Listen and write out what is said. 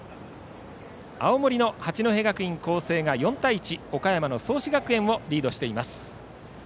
青森の八戸学院光星が４対１と岡山の創志学園をリードしています。